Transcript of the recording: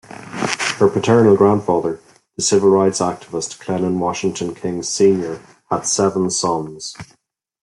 Her paternal grandfather, the civil rights activist, Clennon Washington King, Senior had seven sons.